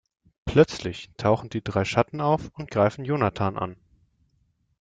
Plötzlich tauchen die drei Schatten auf und greifen Jonathan an.